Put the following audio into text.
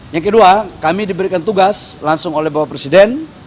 yang kedua kami diberikan tugas langsung oleh bapak presiden